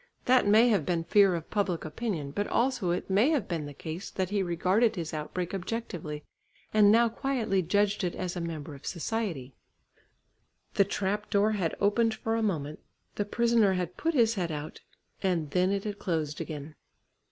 That may have been fear of public opinion, but also it may have been the case that he regarded his outbreak objectively and now quietly judged it as a member of society. The trap door had opened for a moment, the prisoner had put his head out, and then it had closed again.